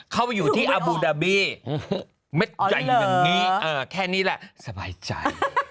เข้าอยู่ที่อบูดาบีเห็นไหมแค่นี้แหละสบายใจ